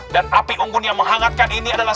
dan api unggun yang menghangatkan ini adalah